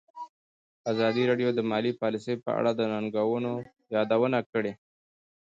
ازادي راډیو د مالي پالیسي په اړه د ننګونو یادونه کړې.